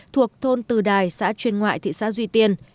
thuộc thôn từ đài xã chuyên ngoại thị xã duy tiên